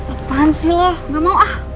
apaan sih lo nggak mau ah